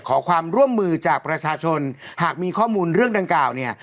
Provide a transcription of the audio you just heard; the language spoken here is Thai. ขอความร่วมมือจากประชาชนหากมีข้อมูลเรื่องดังกล่าวเนี่ย